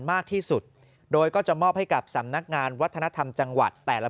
มากที่สุดโดยก็จะมอบให้กับสำนักงานวัฒนธรรมจังหวัดแต่ละ